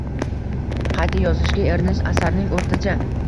qayta yozishga erinish asarning o’rtacha